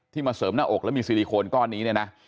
มาเสริมหน้าอกแล้วมีซิลิโคนก้อนนี้เนี่ยนะ